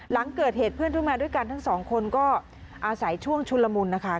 หลังเกิดเหตุเพื่อนร่วมงานด้วยกันทั้งสองคนก็อาศัยช่วงชุนละมุนนะคะ